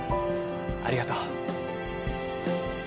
ありがとう。